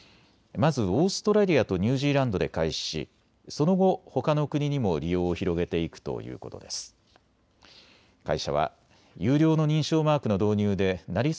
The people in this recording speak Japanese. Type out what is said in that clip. まずオーストラリアとニュージーランドで開始しその後、ほかの国にも利用を広げていくということです。